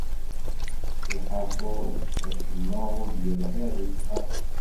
Lḥaṣun, acemma ur d-yeḍhir di texxamt.